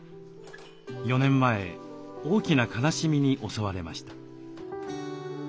４年前大きな悲しみに襲われました。